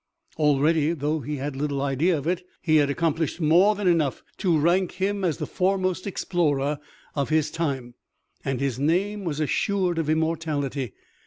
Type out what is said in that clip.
Already, though he had little idea of it, he had accomplished more than enough to rank him as the foremost explorer of his time, and his name was assured of immortality.